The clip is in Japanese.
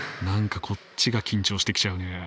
何かこっちが緊張してきちゃうね。